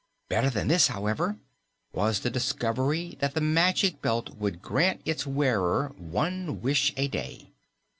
Better than this, however, was the discovery that the Magic Belt would grant its wearer one wish a day.